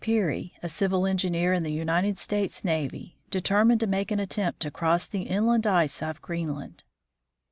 Peary, a civil engineer in the United States Navy, determined to make an attempt to cross the inland ice of Greenland.